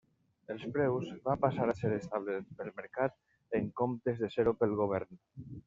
Els preus van passar a ser establerts pel mercat, en comptes de ser-ho pel Govern.